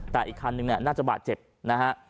แต่อีกคันนึงเนี่ยน่าจะบาดเจ็บนะฮะ